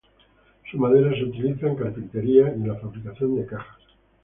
Su madera se utiliza en carpintería y en la fabricación de cajas.